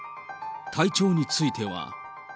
体調については。